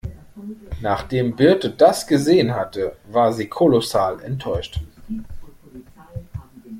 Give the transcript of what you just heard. Nachdem Birte das gesehen hatte, war sie kolossal enttäuscht.